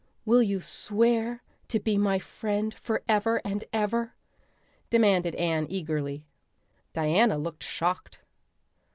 "Will you swear to be my friend forever and ever?" demanded Anne eagerly. Diana looked shocked.